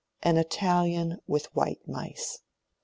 An Italian with white mice!